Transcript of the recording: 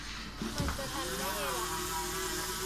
มันจะทันได้ไงล่ะ